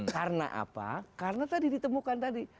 karena apa karena tadi ditemukan tadi